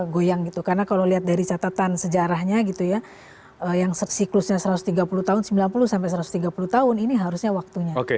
goyang gitu karena kalau lihat dari catatan sejarahnya gitu ya yang siklusnya satu ratus tiga puluh tahun sembilan puluh sampai satu ratus tiga puluh tahun ini harusnya waktunya